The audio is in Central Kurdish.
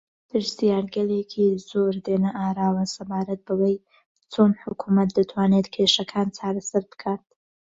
پرسیارگەلێکی زۆر دێنە ئاراوە سەبارەت بەوەی چۆن حکوومەت دەتوانێت کێشەکان چارەسەر بکات